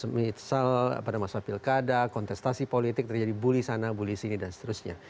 misal pada masa pilkada kontestasi politik terjadi bully sana bully sini dan seterusnya